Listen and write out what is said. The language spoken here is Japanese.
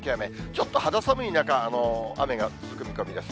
ちょっと肌寒い中、雨が続く見込みです。